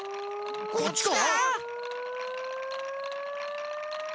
こっちか？